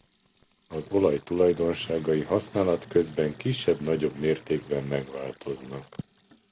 Az olaj tulajdonságai használat közben kisebb-nagyobb mértékben megváltoznak.